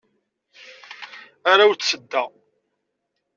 Arraw n tsedda.